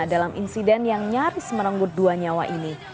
dalam insiden yang nyaris merenggut dua nyawa ini